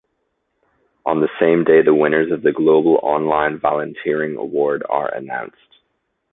On the same day, the winners of the global Online Volunteering Award are announced.